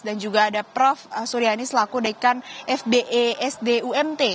dan juga ada prof suryani selaku dekan fbe sd umt